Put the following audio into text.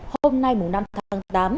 hôm nay năm tháng tám